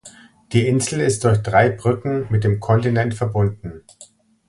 Die Insel ist durch drei Brücken mit dem Kontinent verbunden.